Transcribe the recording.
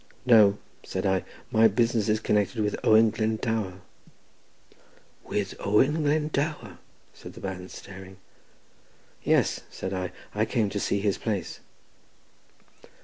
"No," said I, "my business is connected with Owen Glendower." "With Owen Glendower?" said the man, staring. "Yes," said I; "I came to see his place."